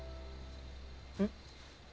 うん？